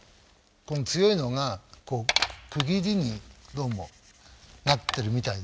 この強いのが区切りにどうもなってるみたいですね。